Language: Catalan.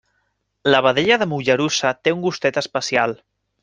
La vedella de Mollerussa té un gustet especial.